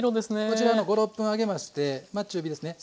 こちらの５６分揚げましてまあ中火ですね